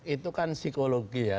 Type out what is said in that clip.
itu kan psikologi ya